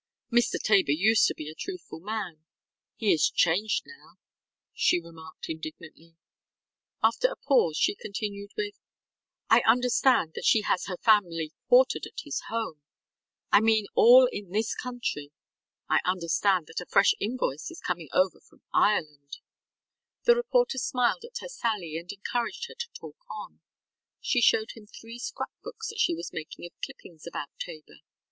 ŌĆ£Mr. Tabor used to be a truthful man. He is changed now, ŌĆØ she remarked indignantly. After a pause, she continued with: ŌĆ£I understand that she has her family quartered at his home. I mean all in this country. I understand that a fresh invoice is coming over from Ireland.ŌĆØ The reporter smiled at her sally and encouraged her to talk on. She showed him three scrapbooks that she was making of clippings about Tabor.